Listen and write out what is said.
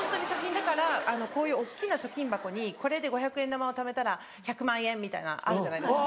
だからこういう大っきな貯金箱にこれで５００円玉をためたら１００万円みたいなあるじゃないですか。